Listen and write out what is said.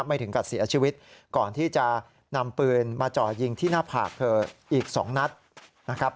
ถึงกับเสียชีวิตก่อนที่จะนำปืนมาจ่อยิงที่หน้าผากเธออีก๒นัดนะครับ